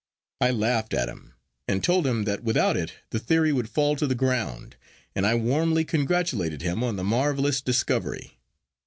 I laughed at him, and told him that without it the theory would fall to the ground, and I warmly congratulated him on the marvellous discovery.